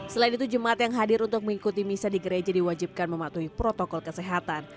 selain itu jemaat yang hadir untuk mengikuti misa di gereja diwajibkan mematuhi protokol kesehatan